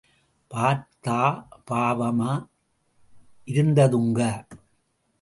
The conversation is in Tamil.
பார்த்தா பாவமா இருந்ததுங்க!